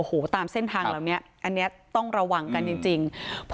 โอ้โหตามเส้นทางเหล่านี้อันนี้ต้องระวังกันจริง